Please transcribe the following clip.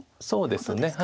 そうですね。